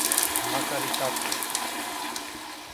Макар и тако.